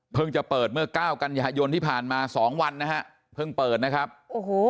จะเปิดเมื่อเก้ากันยายนที่ผ่านมาสองวันนะฮะเพิ่งเปิดนะครับโอ้โห